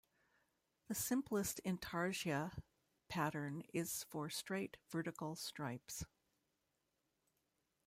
The simplest intarsia pattern is for straight vertical stripes.